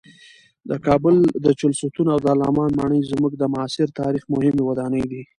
د کابل د چهلستون او دارالامان ماڼۍ زموږ د معاصر تاریخ مهمې ودانۍ دي.